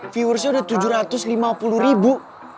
viewersnya udah tujuh ratus lima puluh ribu